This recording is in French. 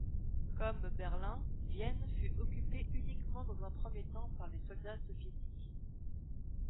Comme Berlin, Vienne fut occupée uniquement dans un premier temps par les soldats soviétiques.